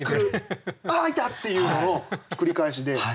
ああいた！っていうのの繰り返しで。